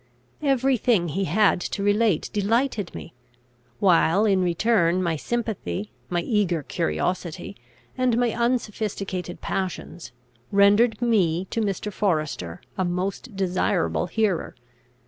Every thing he had to relate delighted me; while, in return, my sympathy, my eager curiosity, and my unsophisticated passions, rendered me to Mr. Forester a most desirable hearer.